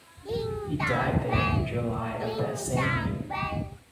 He died there in July of that same year.